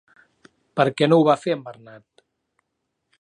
Per què no ho va fer Bernad?